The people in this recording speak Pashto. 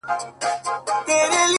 هغې دروغجنې چي په مټ کي دی ساتلی زړه”